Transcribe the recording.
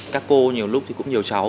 các cô nhiều lúc thì cũng nhiều cháu